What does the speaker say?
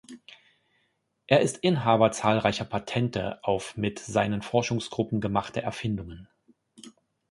Er ist Inhaber zahlreicher Patente auf mit seinen Forschungsgruppen gemachte Erfindungen.